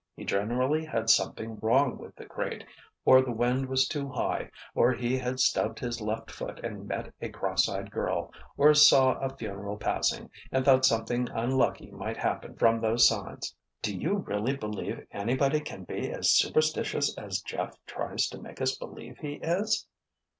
"He generally had something wrong with the crate, or the wind was too high, or he had stubbed his left foot and met a cross eyed girl, or saw a funeral passing, and thought something unlucky might happen from those signs." "Do you really believe anybody can be as superstitious as Jeff tries to make us believe he is?"